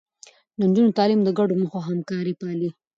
د نجونو تعليم د ګډو موخو همکاري پالي.